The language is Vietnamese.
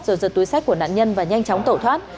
rồi giật túi sách của nạn nhân và nhanh chóng tẩu thoát